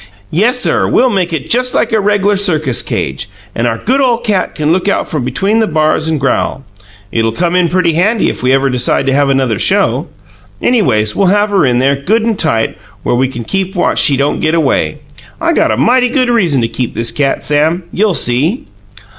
Yessir, we'll make it just like a reg'lar circus cage, and our good ole cat can look out from between the bars and growl. It'll come in pretty handy if we ever decide to have another show. Anyways, we'll have her in there, good and tight, where we can watch she don't get away. I got a mighty good reason to keep this cat, Sam. You'll see."